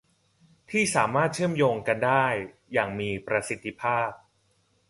ที่สามารถเชื่อมโยงกันได้อย่างมีประสิทธิภาพ